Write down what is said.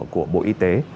của bộ y tế